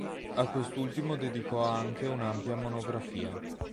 A quest'ultimo dedicò anche un'ampia monografia.